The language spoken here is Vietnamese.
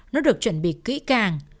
nó được chuẩn bị kỹ càng